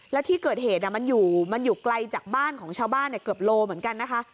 แล้วที่เกิดเหตุมันอยู่ไกลจากบ้านของชาวบ้านเกือบโลเหมือนกันนะคะ